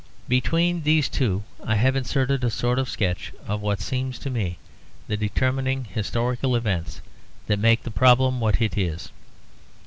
Between these two I have inserted a sort of sketch of what seemed to me the determining historical events that make the problem what it is.